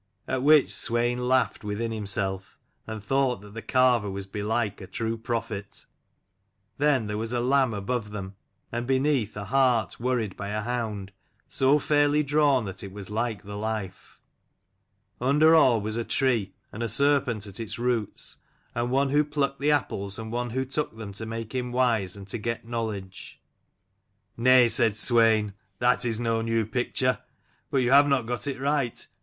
At which Swein laughed within himself, and thought that the carver was belike a true prophet. Then there was a lamb above them, and beneath, a hart worried by a hound, so fairly drawn that it was like the life. Under all was a tree, and a serpent at its roots, and one who plucked the apples, and one who took them to make him wise and to get knowledge. "Nay," said Swein, "that is no new picture: but you have not got it right.